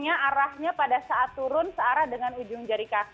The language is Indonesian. iya kenapa sih cowok gak suka squat